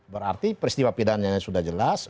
berarti peristiwa pidananya sudah jelas